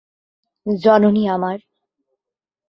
জননী আমার!